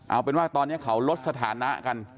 เอาเป็นว่าตอนนี้เขาลดสถานะกัน